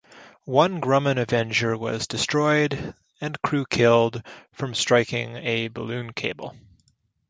One Grumman Avenger was destroyed, and crew killed, from striking a balloon cable.